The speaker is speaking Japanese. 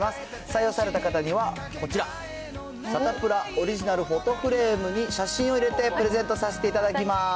採用された方にはこちら、サタプラオリジナルフォトフレームに写真を入れてプレゼントさせていただきます。